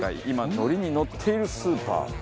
今ノリにノっているスーパー。